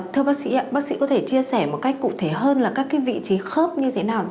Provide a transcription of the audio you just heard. thưa bác sĩ ạ bác sĩ có thể chia sẻ một cách cụ thể hơn là các vị trí khớp như thế nào